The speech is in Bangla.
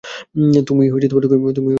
তুমি টোকেন নিয়েছ?